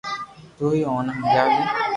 تو ھي اوني ھمجاجي